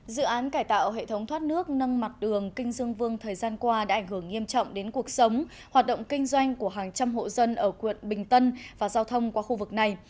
dự án cải tạo hệ thống thoát nước nâng mặt đường kinh dương vương thời gian qua đã ảnh hưởng nghiêm trọng đến cuộc sống hoạt động kinh doanh của hàng trăm hộ dân ở quận bình tân và giao thông qua khu vực này